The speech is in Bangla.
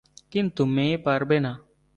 কিন্তু মেয়ে পারবে না।